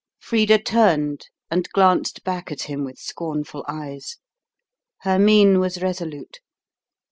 Frida turned and glanced back at him with scornful eyes. Her mien was resolute.